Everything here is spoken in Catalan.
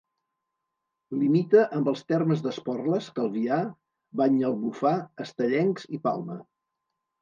Limita amb els termes d'Esporles, Calvià, Banyalbufar, Estellencs i Palma.